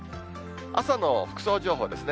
朝の服装情報ですね。